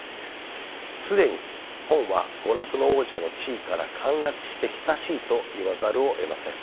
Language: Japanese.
既に本は娯楽の王者の地位から陥落して久しいと言わざるをえません。